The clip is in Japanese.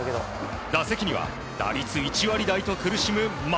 打席には打率１割台と苦しむ丸。